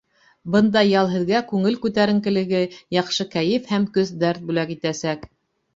Бындай ял һеҙгә күңел күтәренкелеге, яҡшы кәйеф һәм көс-дәрт бүләк итәсәк.